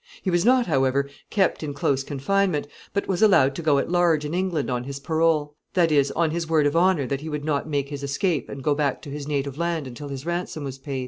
He was not, however, kept in close confinement, but was allowed to go at large in England on his parole that is, on his word of honor that he would not make his escape and go back to his native land until his ransom was paid.